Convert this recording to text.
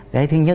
cái vụ án này